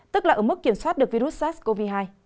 tức là ở mức kiểm soát được virus sars cov hai